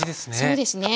そうですね。